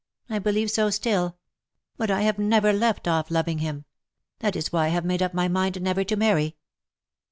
I believe so still. But I have never left off loving him. That is why I have made up my mind never to marry."